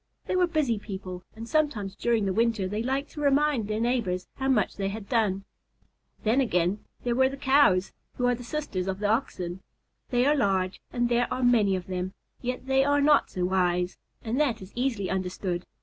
They were busy people; and sometimes during the winter they liked to remind their neighbors how much they had done. Then again, there were the Cows, who are the sisters of the Oxen. They are large and there are many of them, yet they are not so wise, and that is easily understood.